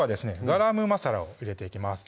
ガラムマサラを入れていきます